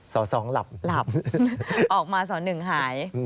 สสองหลับออกมาสหนึ่งหาย